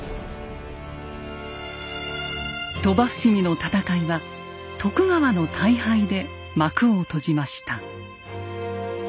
鳥羽伏見の戦いは徳川の大敗で幕を閉じました。